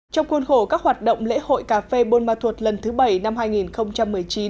trong khuôn khổ các hoạt động lễ hội cà phê buôn ma thuột lần thứ bảy năm hai nghìn một mươi chín